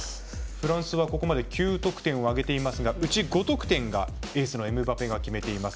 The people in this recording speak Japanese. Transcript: フランスはここまで９得点を挙げていますがうち５得点がエースのエムバペが決めています。